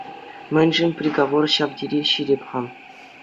Мӗншӗн приговор ҫав тери ҫирӗп-ха?